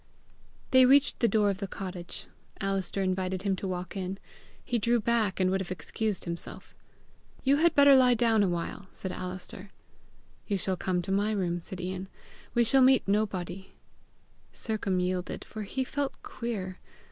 They reached the door of the cottage. Alister invited him to walk in. He drew back, and would have excused himself. "You had better lie down a while," said Alister. "You shall come to my room," said Ian. "We shall meet nobody." Sercombe yielded, for he felt queer.